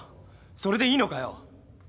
それでいいのかよ？